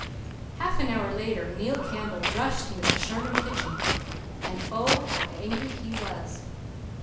"Half an hour later Neil Campbell rushed into the Sherman kitchen and oh, how angry he was!